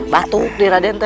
batuk deh raden